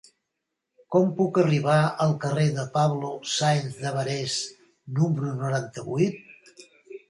Com puc arribar al carrer de Pablo Sáenz de Barés número noranta-vuit?